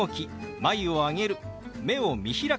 「眉を上げる」「目を見開く」